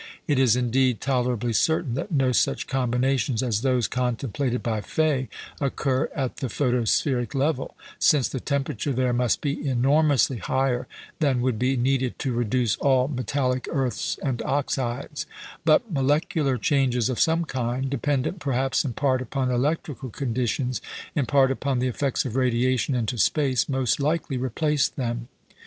It is indeed tolerably certain that no such combinations as those contemplated by Faye occur at the photospheric level, since the temperature there must be enormously higher than would be needed to reduce all metallic earths and oxides; but molecular changes of some kind, dependent perhaps in part upon electrical conditions, in part upon the effects of radiation into space, most likely replace them.